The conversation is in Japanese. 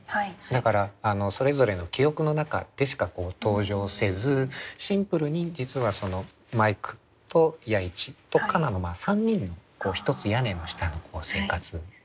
だからそれぞれの記憶の中でしか登場せずシンプルに実はマイクと弥一と夏菜の３人のひとつ屋根の下の生活ですね。